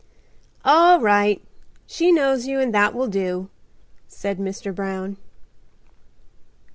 "All right. She knows you and that will do," said Mr. Brown.